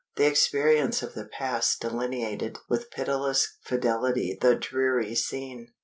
The experience of the past delineated with pitiless fidelity the dreary scene.